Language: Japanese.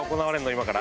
今から。